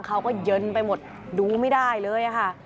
เขาก็เย็นไปหมดดูไม่ได้เลยค่ะ